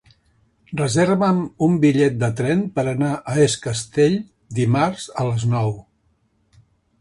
Reserva'm un bitllet de tren per anar a Es Castell dimarts a les nou.